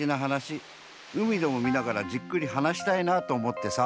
海でもみながらじっくりはなしたいなとおもってさ。